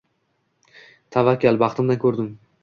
Tavakkal, baxtimdan ko'rdim.